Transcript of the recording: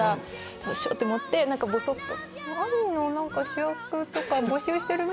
どうしよう？と思ってぼそっと。